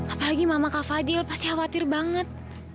apalagi mama kak fadil pasti khawatir banget